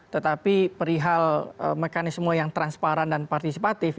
tetapi perihal mekanisme yang transparan dan partisipatif